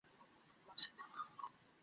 এক্ষুনি বাঁধন খোল আমার!